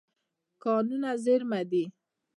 کانونه زېرمه دي.